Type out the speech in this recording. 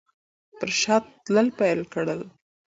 پر شا تلل پیل کړل.